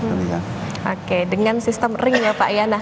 oke dengan sistem ring ya pak yana